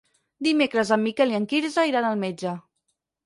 Dimecres en Miquel i en Quirze iran al metge.